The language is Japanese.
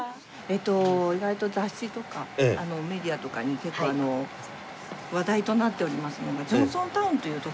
意外と雑誌とかメディアとかに結構話題となっておりますのがジョンソンタウンという所が近くにありまして。